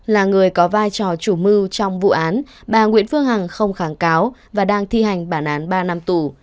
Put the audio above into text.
là người có vai trò chủ mưu trong vụ án bà nguyễn phương hằng không kháng cáo và đang thi hành bản án ba năm tù